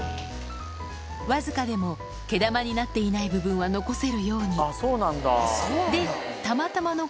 僅かでも毛玉になっていない部分は残せるように。